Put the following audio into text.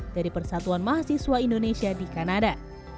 dari persatuan mahasiswa indonesia di kanada